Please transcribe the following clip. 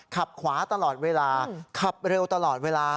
ขับขวาตลอดเวลาขับเร็วตลอดเวลา